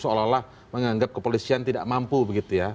seolah olah menganggap kepolisian tidak mampu begitu ya